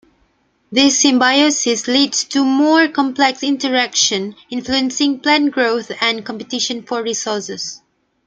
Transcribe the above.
This symbiosis leads to more complex interactions, influencing plant growth and competition for resources.